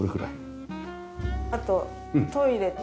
あとトイレと。